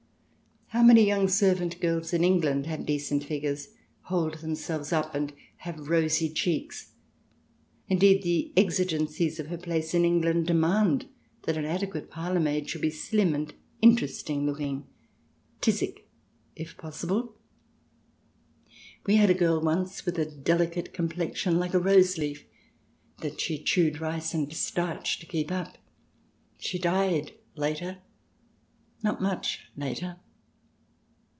How many young servant girls in England have decent figures, hold them selves up, and have rosy cheeks ? Indeed, the exigencies of her place in England demand that an adequate parlourmaid should be slim and " interest ing looking" — phthisic if possible. We had a girl once with a delicate complexion like a rose leaf, that she chewed rice and starch to keep up. She died later — not much later.